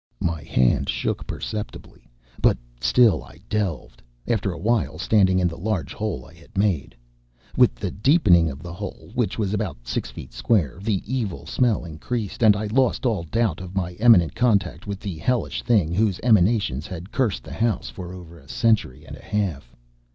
My hand shook perceptibly, but still I delved; after a while standing in the large hole I had made. With the deepening of the hole, which was about six feet square, the evil smell increased; and I lost all doubt of my imminent contact with the hellish thing whose emanations had cursed the house for over a century and a half.